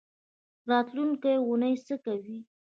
راتلونکۍ اونۍ څه کوئ؟